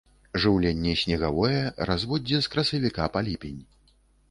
Жыўленне снегавое, разводдзе з красавіка па ліпень.